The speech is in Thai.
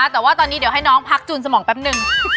แต่ว่าตอนนี้เดี๋ยวให้น้องพักจูนสมองแป๊บนึง